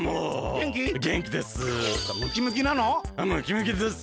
げんきです。